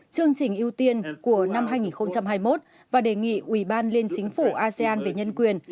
chương trình ưu tiên của năm hai nghìn hai mươi một và đề nghị ủy ban liên chính phủ asean về nhân quyền